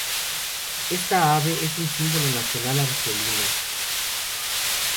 Esta ave es un símbolo nacional argelino.